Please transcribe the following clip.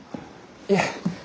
いえ。